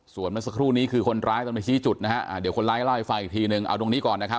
ส่วนมันสักครู่นี้คือคนร้ายต้องไปชี้จุดนะฮะเดี่ยวคนร้ายเล่าให้ฟังอีกทีนึง